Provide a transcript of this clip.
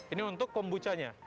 ini untuk kombuchanya